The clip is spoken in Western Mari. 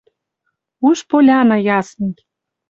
Уж Поляна Ясный